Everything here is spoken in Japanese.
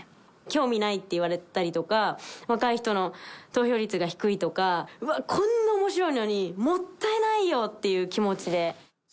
興味ないって言われたりとか、若い人の投票率が低いとか、うわっ、こんなおもしろいのにもったいないよっていう気持ちで。